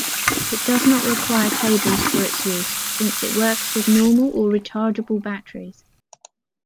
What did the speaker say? It does not require cables for its use, since it works with normal or rechargeable batteries.